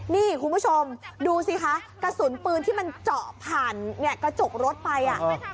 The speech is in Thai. นี่คุณผู้ชมดูสิคะกระสุนปืนที่มันเจาะผ่านกระจกรถไปอ่ะ